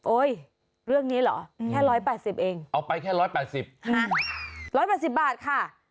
เรื่องนี้เหรอแค่๑๘๐เองเอาไปแค่๑๘๐๑๘๐บาทค่ะ